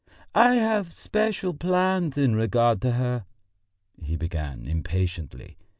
"I have special plans in regard to her," he began impatiently.